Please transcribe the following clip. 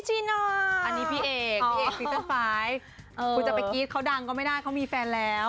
อันนี้พี่เอกซีสเตอร์๕คุณจะไปกรี๊ดเขาดังก็ไม่ได้เขามีแฟนแล้ว